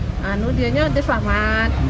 lalu dia selamat